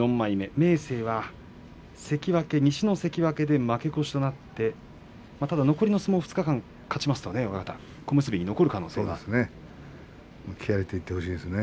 明生は西の関脇で負け越しとなってただ残りの相撲２日間勝ちますとね小結に残る可能性もありますね。